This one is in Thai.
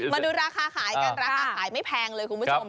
มาดูราคาขายกันราคาขายไม่แพงเลยคุณผู้ชม